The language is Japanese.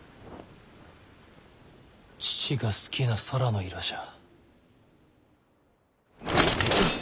父が好きな空の色じゃ。